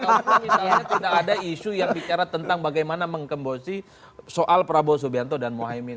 kalau misalnya tidak ada isu yang bicara tentang bagaimana menggembosi soal prabowo subianto dan mohaimin